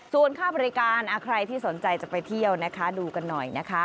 ส่วนค่าบริการใครที่สนใจจะไปเที่ยวนะคะดูกันหน่อยนะคะ